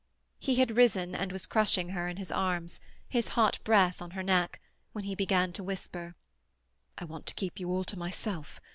He had risen and was crushing her in his arms, his hot breath on her neck, when he began to whisper,— "I want to keep you all to myself.